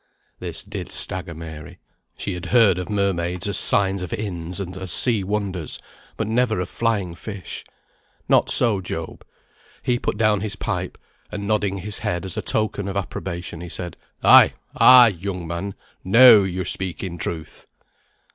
This did stagger Mary. She had heard of mermaids as signs of inns, and as sea wonders, but never of flying fish. Not so Job. He put down his pipe, and nodding his head as a token of approbation, he said "Ay, ay! young man. Now you're speaking truth."